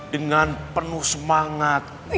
dengan penuh semangat